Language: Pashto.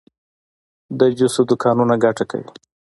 د جوسو دکانونه ګټه کوي؟